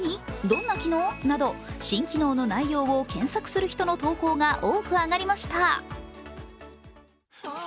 どんな機能？など新機能の内容を検索する人の投稿が多く上がりました。